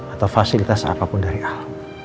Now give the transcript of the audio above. atau fasilitas apapun dari ah